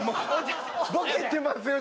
・「ボケてますよ」